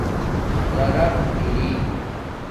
زَق اری